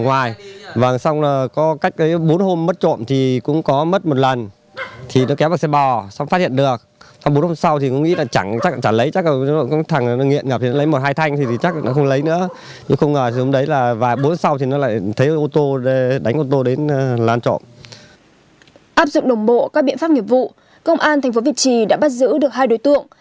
áp dụng đồng bộ các biện pháp nghiệp vụ công an thành phố việt trì đã bắt giữ được hai đối tượng